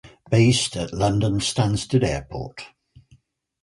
Based at London Stansted Airport.